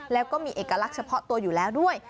แล้วก็มีเอกลักษณ์เฉพาะตัวอยู่แล้วด้วย